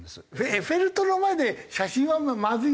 エッフェル塔の前で写真はまずいよな。